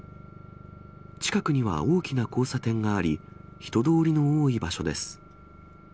近くには大きな交差点があり、人通りの多い場所です。